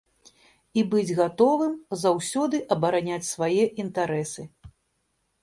І быць гатовым заўсёды абараняць свае інтарэсы.